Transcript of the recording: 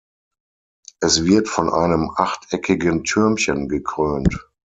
Es wird von einem achteckigen Türmchen gekrönt.